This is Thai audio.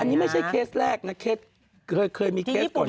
อันนี้ไม่ใช่เคสแรกนะเคสเคยมีเคสก่อน